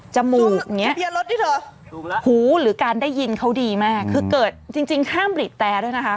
จมูกเนี่ยหูหรือการได้ยินเขาดีมากคือเกิดจริงห้ามบีบแตรด้วยนะคะ